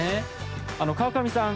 河上さん